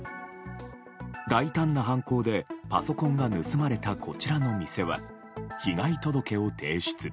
大胆な犯行でパソコンが盗まれたこちらの店は被害届を提出。